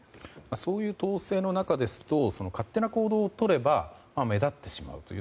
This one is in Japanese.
そういう統制の中ですと勝手な行動をとれば目立ってしまうという。